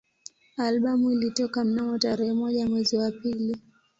Albamu ilitoka mnamo tarehe moja mwezi wa pili